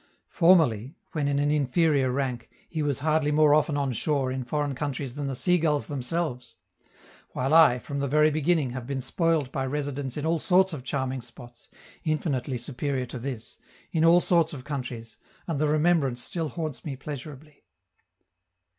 Formerly, when in an inferior rank, he was hardly more often on shore, in foreign countries, than the sea gulls themselves; while I, from the very beginning, have been spoiled by residence in all sorts of charming spots, infinitely superior to this, in all sorts of countries, and the remembrance still haunts me pleasurably.